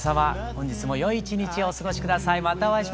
本日もよい一日をお過ごし下さい。